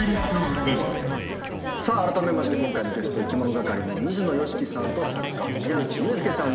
あらためまして今回のゲストいきものがかりの水野良樹さんと作家宮内悠介さんです。